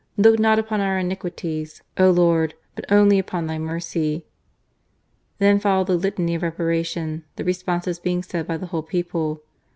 Look not upon our iniquities, O Lord ! but only upon Thy mercy." Then followed the Litany of Reparation, the responses being said by the whole people.